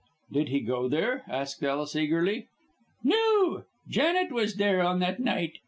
"Did he go there?" asked Ellis, eagerly. "No. Janet was there on that night.